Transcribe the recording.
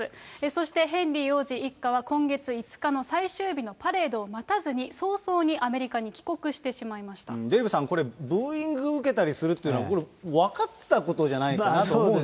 そして、ヘンリー王子一家は今月５日の最終日のパレードを待たずに早々にデーブさん、これ、ブーイングを受けたりするっていうのは、これ、分かってたことじゃないか